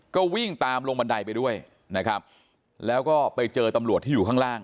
ก็วิ่งตามลงบันไดไปด้วยนะครับแล้วก็ไปเจอตำรวจที่อยู่ข้างล่าง